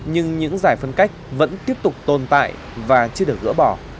nhưng những giải phân cách vẫn tiếp tục tồn tại và chưa được gỡ bỏ